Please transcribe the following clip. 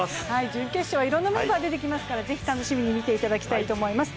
準決勝はいろんなメンバーが出てきますからぜひ楽しみに見ていただきたいと思います。